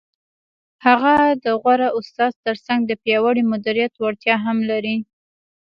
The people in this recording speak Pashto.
هغه د غوره استاد تر څنګ د پیاوړي مدیریت وړتیا هم لري.